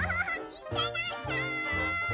いってらっしゃい！